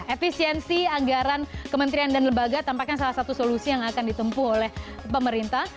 efisiensi anggaran kementerian dan lembaga tampaknya salah satu solusi yang akan ditempuh oleh pemerintah